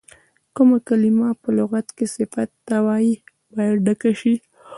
کومه کلمه په لغت کې صفت ته وایي باید ډکه شي.